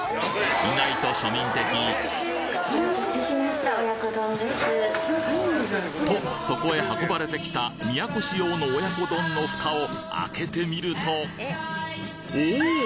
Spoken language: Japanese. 意外と庶民的とそこへ運ばれてた都仕様の親子丼の蓋を開けてみるとおお！